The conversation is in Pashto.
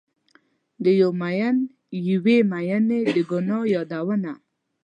د یو میین یوې میینې د ګناه یادونه